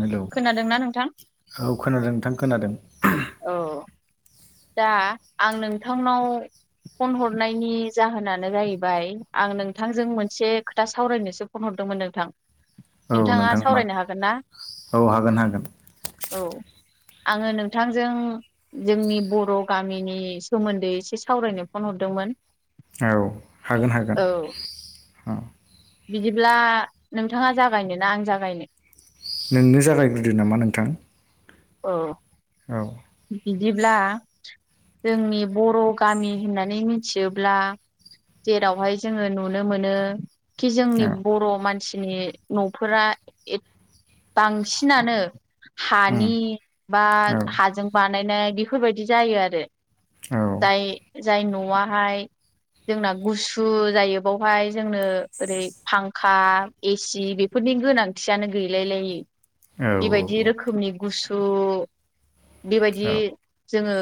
Hello खोनादोंना नोंथां औ खोनादों नोंथां खोनादों औ दा आं नोंथांनाव फन हरनायनि जाहोनानो जाहैबाय आं नोंथांजों मोनसे खोथा सावरायनोसो फन हरदों दोंमोन नोंथां औ नोंथांङा नोंथां मा सावरायनो हागोन ना औ हागोन हागोन औ आंङो नोंथांजों जोंनि बर' गामिनि सोमोन्दै एसे सावरायनो फन हरदोंमोन औ हागोन हागोन औ औ बिदिब्ला नोंथांङा जागायनो ना आं जागायनो नोंनो जागायग्रोदो नामा नोंथां औ औ बिदिब्ला जोंनि बर' गामि होननानै मिथियोब्ला जेरावहाय जोंङो नुनो मोनो कि जोंनि औ बर' मानसि दिनै न'फोरा बांसिनानो हानि उम बा औ हाजों बानायनाय बेफोरबायदि जायो आरो औ जाय- जाय न'आाहाय जोंना गुसु जायो बेवहाय जोंनो ओरै फांखा, एसि बेफोर नि गोनांथियानो गैलाय लाय औ बेबायदि रोखोमनि गुसु बेबायदि जोंङो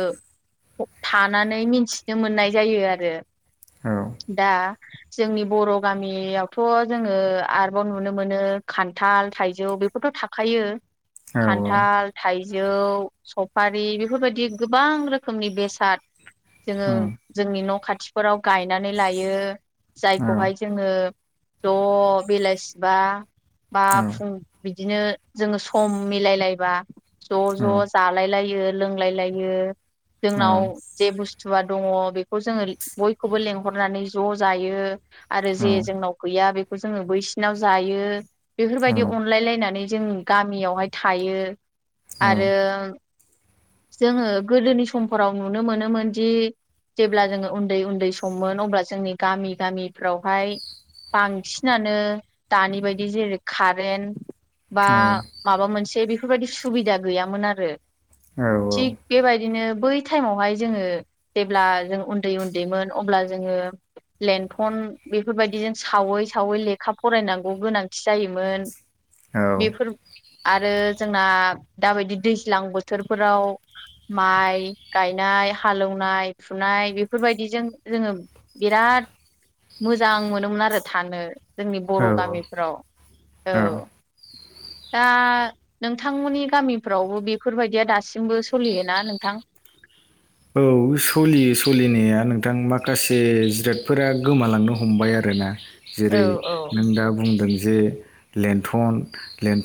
थानानै मिन्थिनो मोननाय जायो आरो औ दा जोंनि बर' गामियावथ' जोङो आरोबाव नुनो मोनो खान्थाल थाइजौ बेफोरथ' थाखायो औ खान्थाल- थाइजौ सफारि बेफोरबायदि गोबां रोखोमनि बेसाद जोङो उम जोंनि न' खा थिफोराव गायनानै लायो औ जायखौहाय जोङो ज' बेलासिबा बा फुं औ बि दिनो जोङो सम मिलायलायबा ज' -ज' जालायलायो लोंलायलायो जोंनाव जे बुसथु थुआ दङ बेखौ जोङो बयखौबो लेंहरनानै ज' जायो आरो जे जोंनाव गैया बेखौ जोङो बैसिनाव जायो बेफोरबायदि अनलाय लायनानै जों गामियावहाय थायो आरो जोङो गोदोनि समफोराव नुनो मोनोमोनदि जेब्ला जोङो उन्दै -उन्दै सममोन अब्ला जोंनि गामि- गामिफ्रावहाय बांसिनानो दानि बायदि जेरै खारेन्ट बा माबा मोनसे बेफोरबायदि सुबिदा गैयामोन आरो थिग बेबायदिनो। बै टाइमावहाय जोङो जेब्ला जों उन्दै उन्दैमोन अब्ला जोङो लेन्थन बेफोरबायदिजों सावै सावै लेखा फरायनांगौ गोनांथि जायोमोन। बेफोर आरो जोंना दाबायदि दैज्लां बोथोरफोराव माइ गायनाय हालौवनाय फुनाय बेफोरबायदिजों जोङो बिराद। राद मोजां मोनोमोन आरो थानो। जोंनि बर' औ गामिफ्राव औ। दा नोंथांमोननि गामिफ्रावबो बे फोरबायदिया दासिमबो सोलियोना नोंथां। औ सलियो सलिनाया नोंथां माखासे जिरादफोरा गोमालांनो हमबाय आ रोना औ जेरै औ नों दा बुंदों जे लेन्थन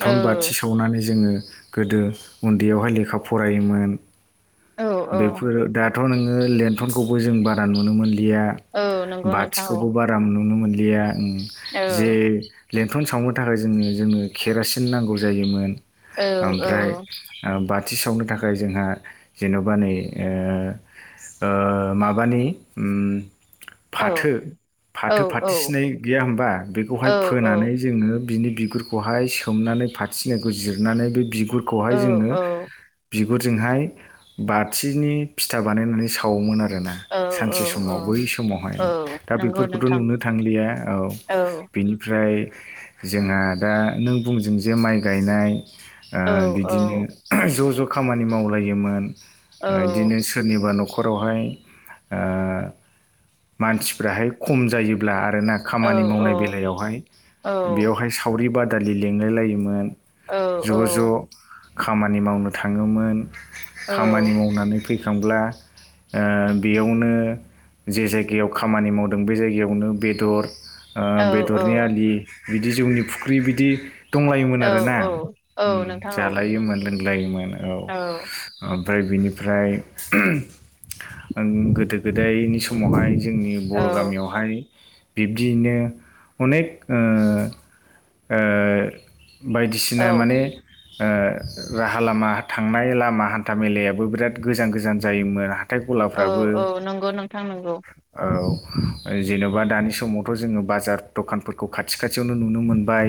औ बाथि सावनानै जोङो गोदो उन्दैयावहाय लेखा फरायोमोन। औ औ बेफोरो दाथ' नोङो लेन्थनखौबो जों बारा नुनो मोन लिया औ नंगौ नोंथां औ बाथिखौबो बारा नुनो मोनलिया औ जे लेन्थन सावनो थाखाय जोङो जोंनो केरासिन नांगौ जायोमोन औ औ ओमफ्राय ओ बाथि सावनो थाखाय जोंहा जेन'बा नै ओ माबानि ओम औ औ फाथो फाथो औ सिनाय गैया होमबा औ बेखौहाय फोनानै जोङो बिनि बिगुरखौहाय सोमनानै फाथिनाखौ जिरनानै बे बिगुरखौहाय औ जोंङो बि गुरजोंहाय बाथिनि फिथा बानायनानै सावोमोन आर रोना औ औ सानसे समाव औ बै समावहाय औ दा नंगौ बेफोरखौथ' नोंथां नुनो थांलिया औ बेनिफ्राय जोंहा दा नों बुंजों जे माइ गायनाय ओ औ औ बिदिनो ज' ज' खामानि मावलायोमोन। औ इदिनो सोरनिबा नख खरावहाय आ मानसिफ्राहाय खम जायोब्ला आरोना औ खामानि मावनाय बेलायावहाय औ बेयावहाय सावरि बादालि लिंलाय लायोमोन औ औ ज' ज' खामानि मावनो थाङोमोन खामानि मावनानै फैखांब्ला आ बेयावनो जे जायगायाव खामानि मावदों बे जायगायावनो बेदर ओ बेदरनि आलि बिदि जोंनि फुख्रि बिदि दंलायोमोन औ आरोना औ औ ओम नोंथां जालायोमोन लोंलायोमोन औ ओमफ्राय बिनिफ्राय ओं गोदो गोदायनि समावहाय जोंनि औ बर' गामियावहाय बिब्दियैनो अनेक ओ ओ औ बायदिसिना माने ओ राहा लामा थांनाय लामा। थामेलायाबो बिराद गोजान गोजान जायोमोन। हाथाइ औ गलाफ्राबो औ नंगौ नोंथां नंगौ औ। जेन'बा दानि समावथ' जोङो बाजार दखानफोरखौ खाथि खाथियावनो नुनो मोनबाय।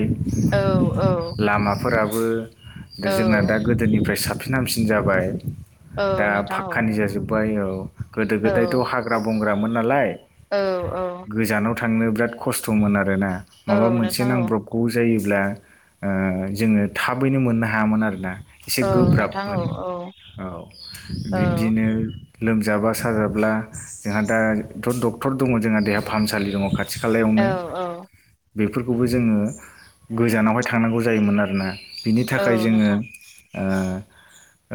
औ औ फोराबो जोंना औ दा गोदोनिफ्राय साबसिन हामसिन जाबाय। दा औ नोंथां औ फाखकानि जाजोब्बाय औ गोदो औ गोदायथ' हाग्रा बंग्रामोन नालाय औ औ गोजानाव थांनो बिराद कस्थ'मोन आरो ना माबा औ मोनसे नोंथां औ नांब्रबगौ जायोब्ला ब्ला ओ जोङो थाबैनो मोननो हायामोन आरोना एसे औ नोंथां गोब्राबमोन। औ औ औ औ बिब्दिनो। लोमजाबा साजाब्ला जोंहा दाथ' डक्टर दङ जोंहा देहा फाहामसालि दङ' खाथि। खालायावनो औ औ बेफोरखौबो जोङो गोजानावहाय थांनांगौ जायोमोन आरोना बिनि थाखाय औ जोङो नोंथां ओ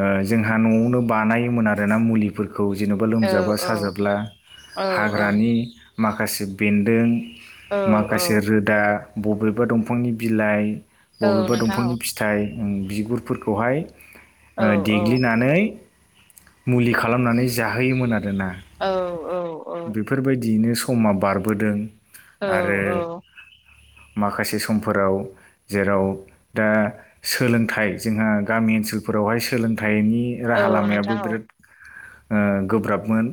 ओ जोंहा न'आवनो बानायोमोन आरोना मुलिफोर खौ जेनेबा औ लोमजाबा औ साजाब्ला औ औ हाग्रानि माखासे बेन्दों माखासे रोदा बबेबा दंफांनि बिलाइ औ बबेबा नोंथां दंफांनि फिथाइ बिगुरफोरखौहाय औ ओ औ देग्लिनानै मुलि खालामनानै जाहोयोमोन आरोना। औ औ औ बेफोरबायदियैनो समा बारबोदों औ आरो माखासे समफोराव जेराव दा सोलोंथाइ जोंहा गामि मि ओनसोलफोरावहाय सोलोंथाइ थाइनि औ राहा लामायाबो नोंथां औ बिराद ओ गोब्राबमोन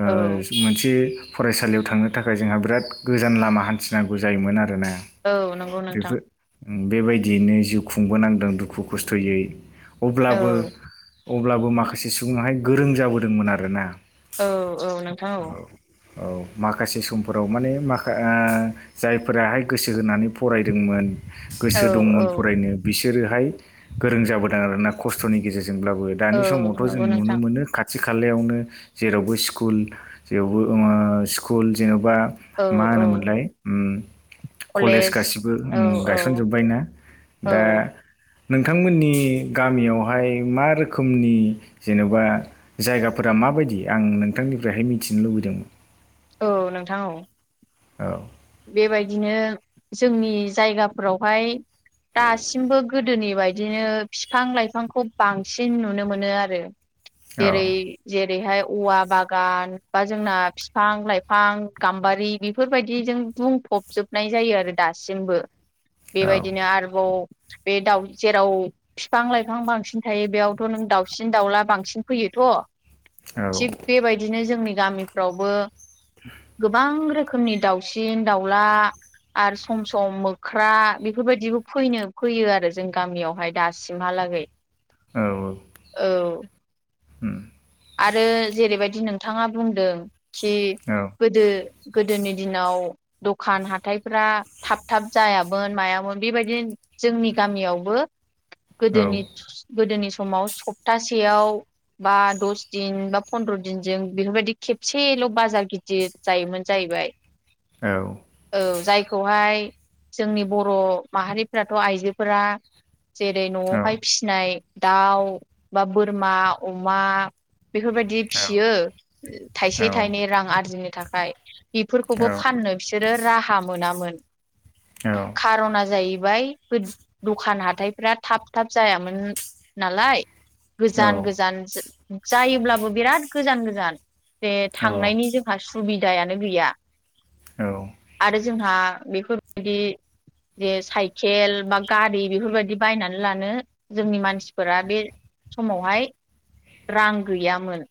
ओ औ मोनसे फरायसालियाव थांनो थाखाय जोंहा बिराद गोजान लामा हान्थिनांगौ जायोमोन आरो औ नंगौ नोंथां। बेबायदियैनो जिउ खुंबोनांदों दुखु खस्थ'यै अब्लाबो औ अब्लाबो माखासे सुबुङाहाय गोरों जाबोदोंमोन आरो ना। औ औ नोंथां औ। औ माखासे समफोराव माने माखा ओ जायफोराहाय गोसो होनानै फरायदोंमोन गोसो दंमोन औ फरायनो बिसोरोहाय गोरों जाबोदों आरोना खस्थ'नि गेजेरजों जोंब्लाबो औ दानि समावथ' जों नंगौ नुनो नोंथां मोनो खाथि खालायावनो जेरावबो स्कुल जेवबो ओ स्कुल जेवबा औ मा औ होनोमोनलाय उम कलेज गासिबो औ उम औ गायसनजोब्बायना दा औ नोंथांमोननि गामियावहाय मा रोखोमनि जेन'बा जायगाफोरा माबायदि आं नोंथांनिफ्रायहाय मिथिनो लुबैदोंमोन। औ नोंथां औ। औ बिदिनो जोंनि जायगाफोरावहाय दासिमबो गोदोनि बायदिनो फिफां लाइफांखौ बांसिन नुनो मोनो आरो। औ जेरै जेरैहाय औवा बागान बा जोंना फि फां लाइफां गाम्बारि बेफोरबायदिजों बुंफबजोबनाय जायो आरो दासिमबो। औ बेबायदिनो आरोबाव बे दाव जेराव फिफां लाइफां बांसिन थायो बेयावथ' नों दावसिन दावला बांसिन फैयो थ औ थिग बेबायदिनो जोंनि गामिफ्रावबो गोबां रो खोमनि दावसिन दावला आर सम सम मोख्रा बेफोरबायदिबो फैनो फैयो आरो जों गामियावहाय दासिमहाला लागै औ। उम आरो जेरैबायदि नोंथाङा बुंदों खि औ गोदो गो गोदोनि दिनाव दखान हाथायफ्रा थाब थाब जायामोन मायामोन बेबायदि जोंनि गामियावबो औ गोदोनि गोदोनि समाव सप्तासेयाव बा दस दिन बा पन्द्र' दिनजों बेफोरबायदि खेबसेल' बाजार गिदिर जायोमोन जाहैबाय। औ औ जायखौहाय जोंनि बर' माहारिफ्राथ' आइजोफोरा जेरै न'आवहाय फिनाय दाउ बा बोरमा अमा बेफोरबायदि फियो थाइसे थाइनै रां आरजिनो थाखाय बेफोरखौबो फाननो बिसोरो राहा मोनामोन खार'ना जायो बाय फोद दखान हाथायफ्रा थाब थाब जायामोन नालाय गोजान गोजान जो जायोब्लाबो बिराद गोजान गोजान। जे थांनायनि जोंहा सुबिदायानो गैया आरो जोंहा बेफोरबायदि जे साइकेल बा गारि बेफोरबायदि बायनानै लानो जोंनि मानसिफोरा बे समावहाय रां गैयामोन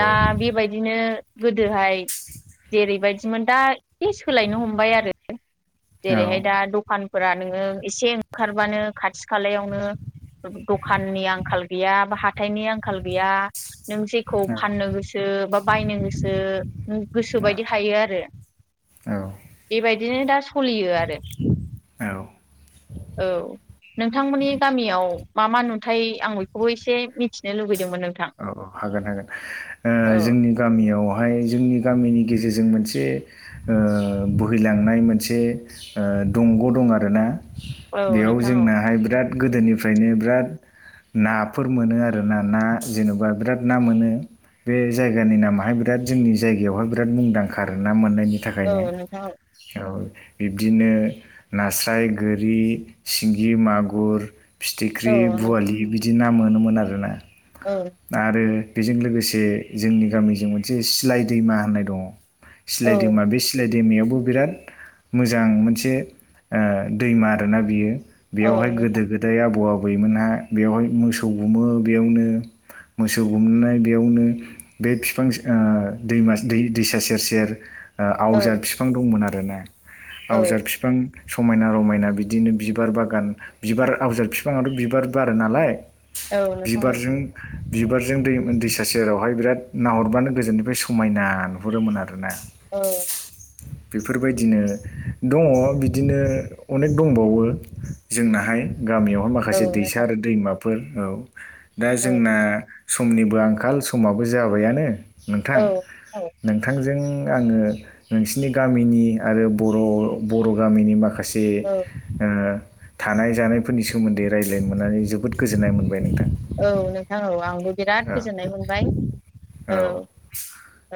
दा बेबायदिनो गोदोहाय जेरैबायदिमोन दा एसे सोलायनो हमबाय आरो जेरैहाय दा दखान फोरा नोङो एसे ओंखारबानो खाथि खालायावनो दखाननि आंखाल गैया बा हाथायनि आंखाल गैया नों जेखौ फाननो गोसो बा बायनो गोसो नों गोसो बायदि हायो आरो औ बेबायदिनो दा सलियो आरो औ औ औ नोंथांमोननि गामियाव मा मा नुथाय आं बयखौबो एसे मिथिनो लुगै औ औ हागोन हागोन ओ औ जोंनि गामियावहाय जोंनि गामिनि गे जेरजों मोनसे ओ बोहैलांनाय मोनसे ओ दंग' दं आरो ना औ बेयाव नोंथां औ जोंनाहाय बिराद गोदोनिफ्रायनो बिराद नाफोर मोनो आरो ना ना जेनबा बिराद ना मोनो बे जायगानि नामाहाय बिराद जोंनि जायगायावहाय बिराद मुंदांखा ना मोननाय नि थाखायनो औ नोंथां औ बिब्दिनो नास्राय गोरि सिंगि मागुर औ फिथिख्रि औ नोंथां बुवालि बिदि ना मोनोमोन आरो ना औ आरो बेजों लोगोसे जोंनि गामिजों मोनसे सिलाय दैमा होननाय दङ औ सिलाय दैमा बे सिलाय दैमायावबो बिराद मोजां मोनसे ओ दैमा आरोना बियो औ बेवहाय नोंथां गोदो गोदाय आबौ आबैमोनहा बेवहाय मोसौ गुमो बेयावनो मोसौ गुमनाय बेयावनो बे बिफां स ओ दैमा दै दैसा सेर सेर औ आवजार बिफां दंमोन आरोना आवजार औ बिफां समायना रमायना बिदिनो बिबार बागान बिबार आवजार बिफाङाथ' बिबार बारो नालाय औ नोंथां दे बिबारजों बिबारजों दै दैसा सेरावहाय बिराद नाहरबानो गोजोननिफ्राय समायना नुहुरोमोन आरोना औ बेफोरबायदिनो दङ बिदिनो अनेक दंबावो जोंनाहाय गामियावहाय माखासे औ दैसा नोंथां आरो दैमाफोर औ दा जोंना समनिबो आंखाल समाबो जाबायानो नोंथां औ औ नोंथांजों आङो नोंसिनि गामिनि आरो बर' बर' गामिनि माखा खासे औ ओ थानाय जानायफोरनि सोमोन्दै रायज्लायनो मोननानै जोबोद गोजोननाय मोनबाय नोंथां‌ औ नोंथां औ आंबो बिराद गोजोननाय मोनबाय औ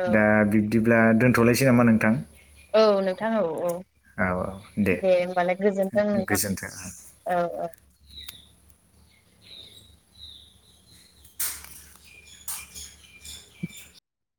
औ दा बि दिब्ला दोनथ'नोसै नामा नोंथां औ नोंथां औ औ औ औ दे होमबालाय गोजोनथों नोंथां गोजोन्थों औ औ